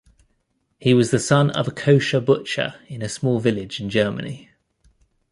He was the son of a kosher butcher in a small village in Germany.